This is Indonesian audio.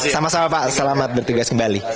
sama sama pak selamat bertugas kembali